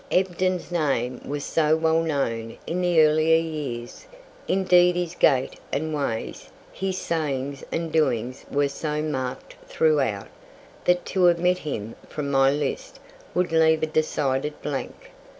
Ebden's name was so well known in the earlier years indeed his gait and ways, his sayings and doings were so marked throughout that to omit him from my list would leave a decided blank.